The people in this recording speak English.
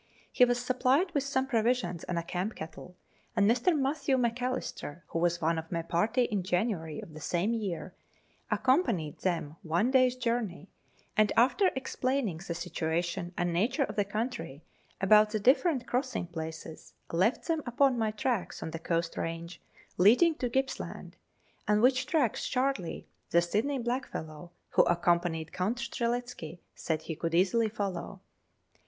He was supplied with some provisions and a camp kettle, and Mr. Matthew Macalister, who was one of my party in January of the same year, accompanied them one day's journey, and, after explaining the situation and nature of the country about the different crossing places, left them upon my tracks on the coast range leading to Gippsland, and which tracks Charley, the Sydney blackfellow, who accompanied Count Strzelecki, said he could easily follow.